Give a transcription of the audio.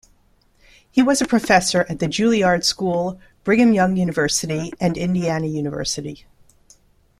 He was a professor at the Juilliard School, Brigham Young University, and Indiana University.